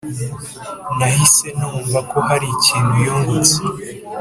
nahise numva ko hari ikintu yungutse.